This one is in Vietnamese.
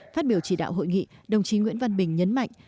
phát biểu chỉ đạo hội nghị đồng chí nguyễn văn bình nhấn mạnh